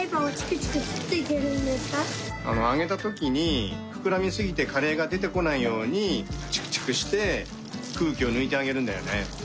あげたときにふくらみすぎてカレーがでてこないようにチクチクしてくうきをぬいてあげるんだよね。